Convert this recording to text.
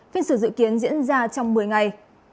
phiên xử dự kiến diễn ra trong một mươi ngày